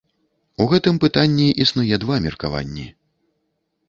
У гэтым пытанні існуе два меркаванні.